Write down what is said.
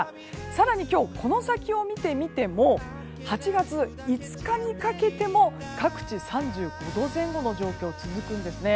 更に今日この先を見てみても８月５日にかけても各地、３５度前後の状況が続くんですね。